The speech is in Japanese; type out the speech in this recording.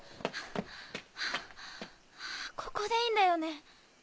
ここでいいんだよね？